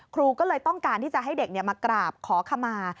ครูก็เลยต้องการที่จะให้เด็กมากราบขอขมา